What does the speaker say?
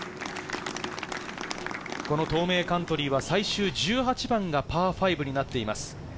東名カントリーは最終１８番がパー５になっています。